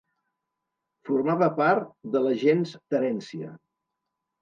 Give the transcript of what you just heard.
Formava part de la gens Terència.